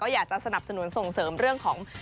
อยากจะสนับสนุนส่งเสริมเรื่องของ